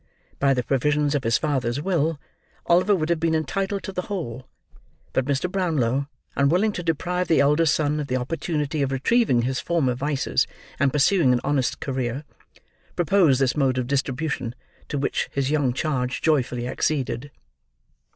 By the provisions of his father's will, Oliver would have been entitled to the whole; but Mr. Brownlow, unwilling to deprive the elder son of the opportunity of retrieving his former vices and pursuing an honest career, proposed this mode of distribution, to which his young charge joyfully acceded.